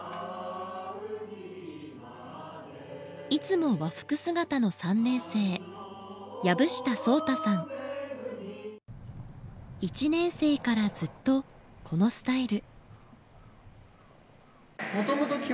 いつも和服姿の３年生１年生からずっとこのスタイル。